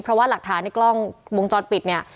เพราะว่าหลักฐานในกล้องวงจรปิดเนี่ย